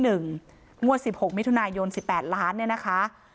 งวด๑๖มิถุนายน๑๘ล้านเนี่ยนะคะ